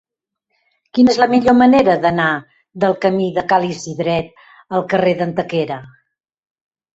Quina és la millor manera d'anar del camí de Ca l'Isidret al carrer d'Antequera?